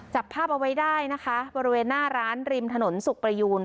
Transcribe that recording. จับภาพเอาไว้ได้นะคะบริเวณหน้าร้านริมถนนสุขประยูน